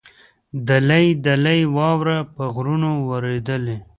دلۍ دلۍ واوره په غرونو ورېدلې.